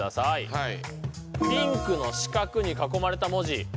はい。